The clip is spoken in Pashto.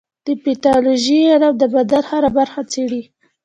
د پیتالوژي علم د بدن هره برخه څېړي.